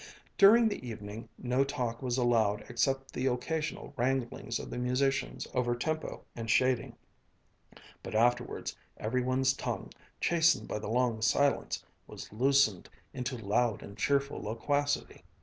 During the evening no talk was allowed except the occasional wranglings of the musicians over tempo and shading, but afterwards, every one's tongue, chastened by the long silence, was loosened into loud and cheerful loquacity.